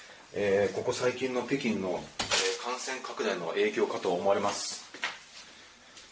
ここ最近の北京の感染拡大の影響かと思われます。